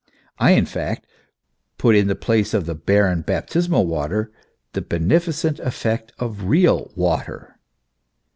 I, in fact, put in the place of the barren baptismal water, the bene ficent effect of real water.